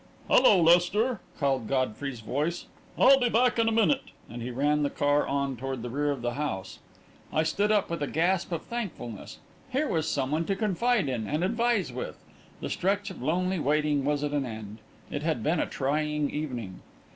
"Hello, Lester," called Godfrey's voice, "I'll be back in a minute," and he ran the car on toward the rear of the house. I stood up with a gasp of thankfulness. Here was someone to confide in and advise with. The stretch of lonely waiting was at an end; it had been a trying evening!